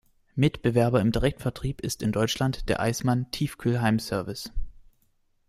Mitbewerber im Direktvertrieb ist in Deutschland der Eismann Tiefkühl-Heimservice.